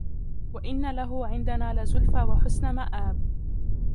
وَإِنَّ لَهُ عِنْدَنَا لَزُلْفَى وَحُسْنَ مَآبٍ